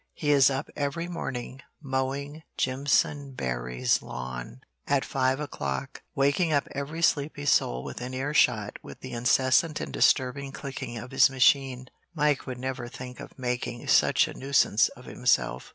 He is up every morning mowing Jimpsonberry's lawn at five o'clock, waking up every sleepy soul within ear shot with the incessant and disturbing clicking of his machine. Mike would never think of making such a nuisance of himself.